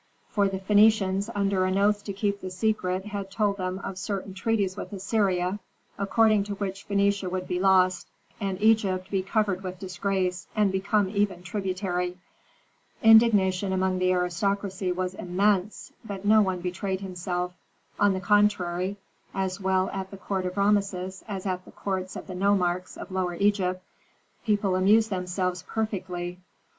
For the Phœnicians under an oath to keep the secret had told them of certain treaties with Assyria, according to which Phœnicia would be lost, and Egypt be covered with disgrace and become even tributary. Indignation among the aristocracy was immense, but no one betrayed himself; on the contrary, as well at the court of Rameses as at the courts of the nomarchs of Lower Egypt, people amused themselves perfectly.